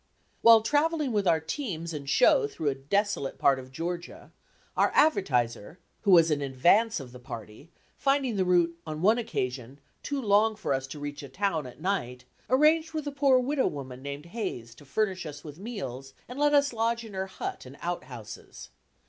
While travelling with our teams and show through a desolate part of Georgia, our advertiser, who was in advance of the party, finding the route, on one occasion, too long for us to reach a town at night, arranged with a poor widow woman named Hayes to furnish us with meals and let us lodge in her hut and out houses.